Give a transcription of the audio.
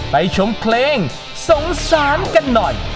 ชมเพลงสงสารกันหน่อย